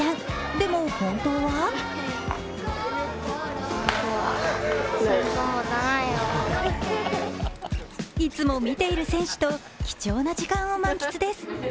でも、本当はいつも見ている選手と貴重な時間を満喫です。